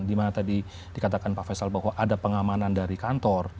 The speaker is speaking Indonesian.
dimana tadi dikatakan pak faisal bahwa ada pengamanan dari kantor